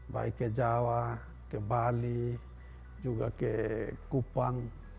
baik ke jawa ke bali juga ke kupang